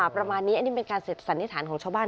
ประมาณนี้อันนี้เป็นการเสร็จสันนิษฐานของชาวบ้าน